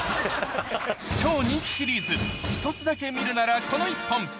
超人気シリーズひとつだけ見るならこの１本。